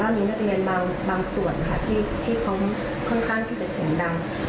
ว่ามีนักเรียนบางส่วนที่เขาค่อนข้างจะเสียงดัง